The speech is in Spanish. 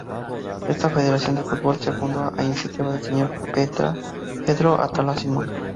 Esta Federación de Fútbol, se fundó a iniciativa del señor Pedro Atala Simón.